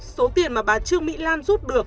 số tiền mà bà trương mỹ lan giúp được